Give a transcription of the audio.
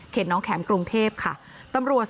เข็ดน้องแข๋มกรุงเทพฯค่ะ